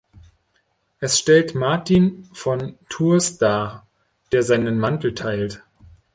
Es stellt Martin von Tours dar, der seinen Mantel teilt.